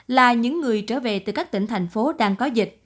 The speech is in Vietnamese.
là những người trở về từ các tỉnh thành phố đang có dịch